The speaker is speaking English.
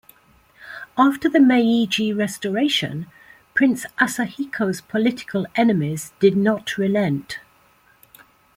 After the Meiji Restoration, Prince Asahiko's political enemies did not relent.